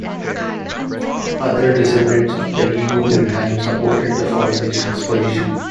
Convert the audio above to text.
Other descendants of Peggy Guggenheim supported the foundation's position.